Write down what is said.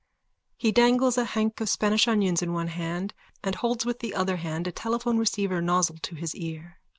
He dangles a hank of Spanish onions in one hand and holds with the other hand a telephone receiver nozzle to his ear.)